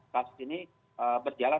kasus ini berjalan